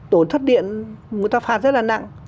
tổn thất điện người ta phạt rất là nặng